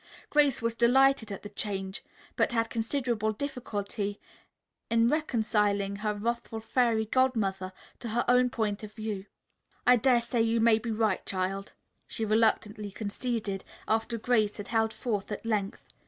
Grace was delighted at the change, but had considerable difficulty in reconciling her wrathful Fairy Godmother to her own point of view. "I dare say you may be right, child," she reluctantly conceded, after Grace had held forth at length.